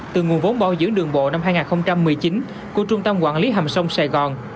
từ nguồn vốn bảo dưỡng đường bộ năm hai nghìn một mươi chín của trung tâm quản lý hầm sông sài gòn